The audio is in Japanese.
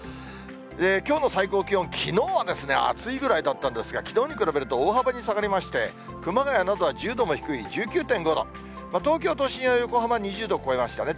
きょうの最高気温、きのうは暑いぐらいだったんですが、きのうに比べると大幅に下がりまして、熊谷などは１０度も低い１９．５度、東京都心や横浜、２０度超えましたね。